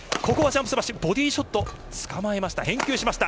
ボディーショット、捕まえました。